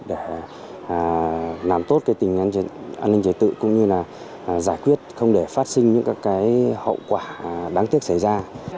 để làm tốt cái tình an ninh chế tự cũng như là giải quyết không để phát sinh những các cái hậu quả đáng tiếc xảy ra